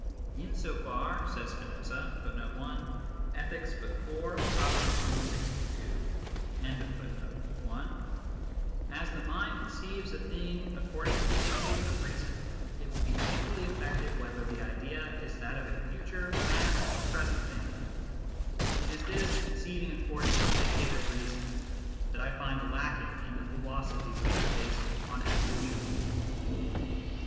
" In so far," says Spinoza, 1 " as the mind conceives a thing according to the dictate of reason, it will be equally affected whether the idea is that of a future, past, or present thing." It is this " con ceiving according to the dictate of reason " that I find lacking in the philosophy which is based on evolution.